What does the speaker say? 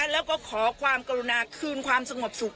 และก็ขอความกรุณากล้องคลื่นความสงบสุข